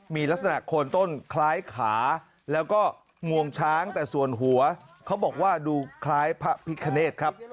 มีลักษณะโคนต้นคล้ายขาแล้วก็งวงช้างแต่ส่วนหัวเขาบอกว่าดูคล้ายพระพิคเนธครับ